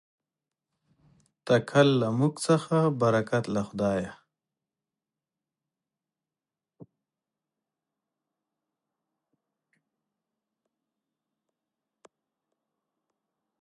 تکل له موږ څخه برکت له خدایه.